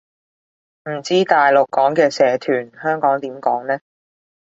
唔知大陸講嘅社團，香港點講呢